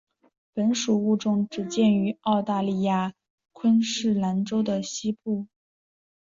本属物种只见于澳大利亚昆士兰州的西北部。